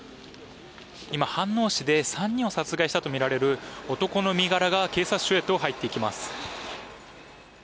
今、飯能市で３人を殺害したとみられる男の身柄が警察署へと入っていきます。